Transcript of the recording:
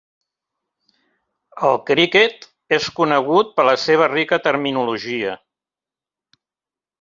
El criquet és conegut per la seva rica terminologia.